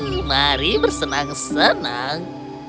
hehehe mari bersenang senang